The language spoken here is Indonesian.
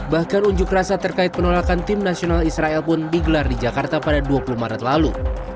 bahkan unjuk rasa terkait penolakan tim nasional israel pun digelar di jakarta pada dua puluh maret lalu